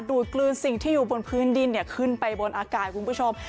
ดกลืนสิ่งที่อยู่บนพื้นดินขึ้นไปบนอากาศคุณผู้ชม